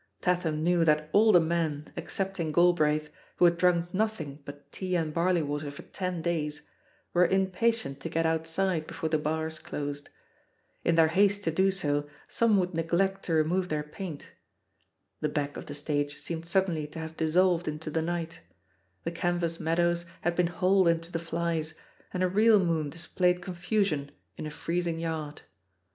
Tatham knew that all the men, ex cepting Galbraith, who had drunk nothing but tea and barley water for ten days, were impatient to get outside before the bars closed. In their haste to do so, some would neglect to remove their paint. The back of the stage seemed suddenly to have dissolved into the night — ^the canvas THE POSITION OF PEGGY HARPER 11 meadows had been hauled into the '"flies," and a real moon displayed confusion in a freezing yard.